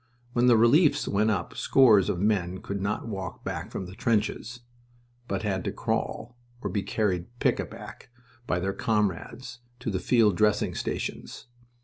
When the "reliefs" went up scores of men could not walk back from the trenches, but had to crawl, or be carried pick a back by their comrades, to the field dressing stations.